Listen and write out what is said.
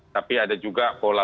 tapi ada juga pola